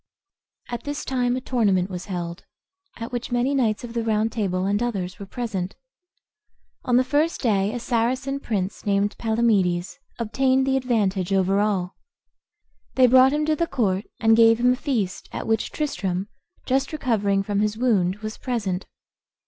At this time a tournament was held, at which many knights of the Round Table, and others, were present. On the first day a Saracen prince, named Palamedes, obtained the advantage over all. They brought him to the court, and gave him a feast, at which Tristram, just recovering from his wound, was present.